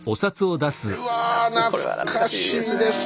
うわ懐かしいですね。